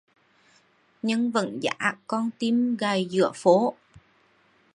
Nhưng vẫn giá con tim gầy giữa phố